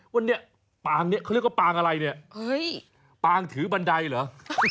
วันนี้ปางนี้เขาเรียกว่าปางอะไรเนี่ยเฮ้ยปางถือบันไดเหรอ